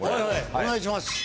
お願いします。